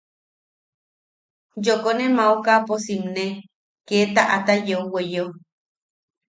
Yooko ne maokapo simne, kee taʼata yeu weyeo.